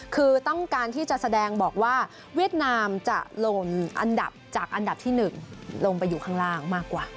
คือต้องการที่จะแสดงบอกว่าเวียดนามจะลงอันดับจากอันดับที่๑ลงไปอยู่ข้างล่างมากกว่า